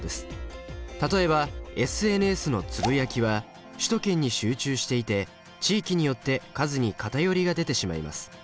例えばＳＮＳのつぶやきは首都圏に集中していて地域によって数に偏りが出てしまいます。